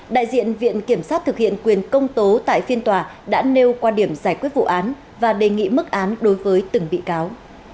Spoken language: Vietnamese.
đại diện viện kiểm sát thực hiện quyền công tố tại phiên tòa đã nêu quan điểm giải quyết vụ án và đề nghị mức án đối với từng bị cáo